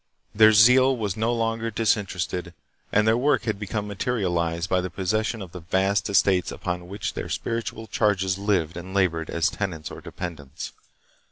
Their zeal was no longer disinter ested, and their work had become materialized by the possession of the vast estates upon which their spiritual charges lived and labored as tenants or dependents.